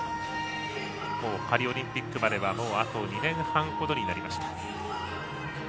パリオリンピックまではもうあと２年半ほどになりました。